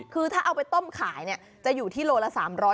คือถ้าเอาไปต้มขายจะอยู่ที่โลละ๓๐๐